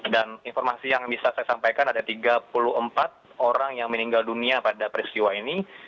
dan informasi yang bisa saya sampaikan ada tiga puluh empat orang yang meninggal dunia pada peristiwa ini